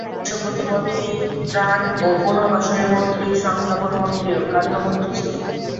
স্বরাষ্ট্র প্রতিমন্ত্রী, ত্রাণ ও পুনর্বাসনের মন্ত্রী, সংস্থাপন মন্ত্রী ও খাদ্য মন্ত্রী ছিলেন।